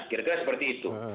kira kira seperti itu